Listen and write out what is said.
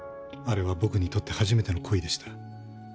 あれは僕にとって初めての恋でした。